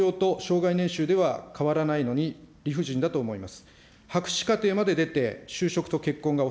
ほかの同僚と生涯年収では変わらないのに、理不尽だと思います。